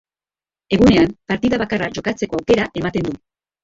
Egunean partida bakarra jokatzeko aukera ematen du.